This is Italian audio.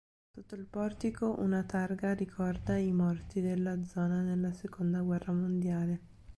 Sotto il portico una targa ricorda i morti della zona nella seconda guerra mondiale.